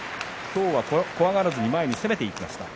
今日は怖がらず前に攻めていきました。